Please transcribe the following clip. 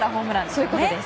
そういうことです。